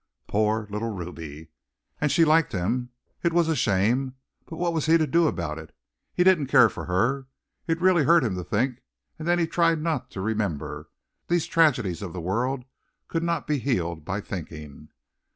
Poor little Ruby! and she liked him. It was a shame, but what was he to do about it? He didn't care for her. It really hurt him to think and then he tried not to remember. These tragedies of the world could not be healed by thinking.